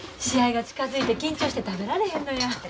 試合が近づいて緊張して食べられへんのや。